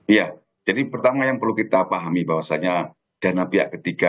iya jadi pertama yang perlu kita pahami bahwasannya dana pihak ketiga